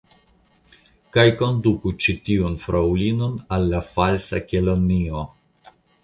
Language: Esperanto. Kaj konduku ĉi tiun fraŭlinon al la Falsa Kelonio.